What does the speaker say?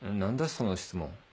その質問。